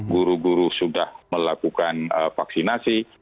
guru guru sudah melakukan vaksinasi